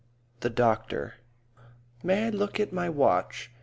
THE DOCTOR "May I look at my watch?"